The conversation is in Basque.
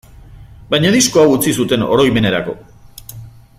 Baina disko hau utzi zuten oroimenerako.